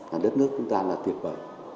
là đất nước chúng ta là tuyệt vời